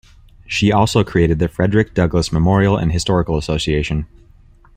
She also created the Frederick Douglass Memorial and Historical Association.